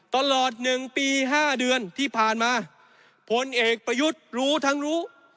ตลอด๑ปี๕เดือนที่ผ่านมาพลเอกประยุทธ์รู้ทั้งรู้